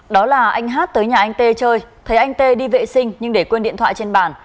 đó là anh h tới nhà anh t chơi thấy anh t đi vệ sinh nhưng để quên điện thoại trên bàn